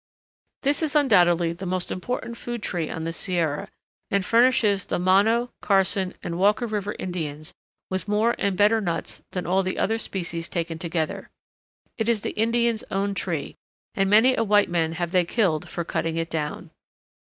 This is undoubtedly the most important food tree on the Sierra, and furnishes the Mono, Carson, and Walker River Indians with more and better nuts than all the other species taken together. It is the Indians' own tree, and many a white man have they killed for cutting it down.